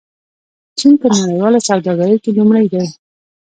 چین په نړیواله سوداګرۍ کې لومړی دی.